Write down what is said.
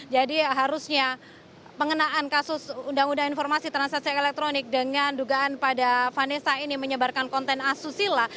jadi harusnya pengenaan kasus undang undang informasi transaksi elektronik dengan dugaan pada vanessa ini menyebarkan konten asusila